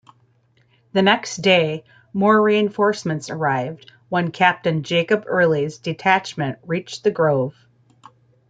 The next day more reinforcements arrived when Captain Jacob Early's detachment reached the grove.